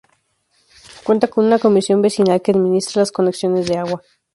Cuenta con una comisión vecinal que administra las conexiones de agua.